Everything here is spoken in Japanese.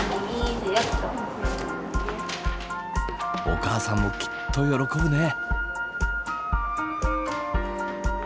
お母さんもきっと喜ぶね。